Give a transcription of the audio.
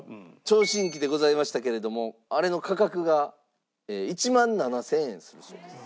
聴診器でございましたけれどもあれの価格が１万７０００円するそうです。